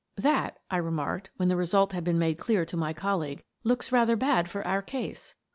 "That," I remarked, when the result had been made clear to my colleague, " looks rather bad for our case."